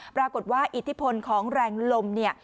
ปรากฏว่าอิทธิพลของแรงลม